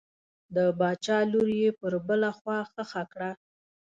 د باچا لور یې پر بله خوا ښخه کړه.